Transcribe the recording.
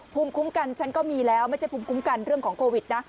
ภูมิคุ้มกันฉันก็มีแล้วไม่ใช่ภูมิคุ้มกันเรื่องของโควิดนะ